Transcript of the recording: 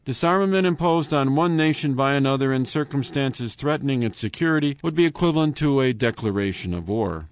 Disarmament imposed on one nation by another in circumstances threatening its security would be equivalent to a declaration of war.